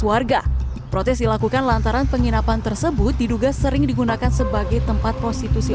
warga protes dilakukan lantaran penginapan tersebut diduga sering digunakan sebagai tempat prostitusi